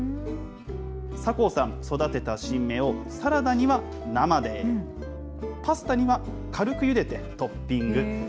酒匂さん、育てた新芽をサラダには生で、パスタには軽くゆでて、トッピング。